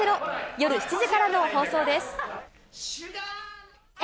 夜７時からの放送です。